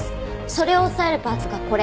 それを押さえるパーツがこれ。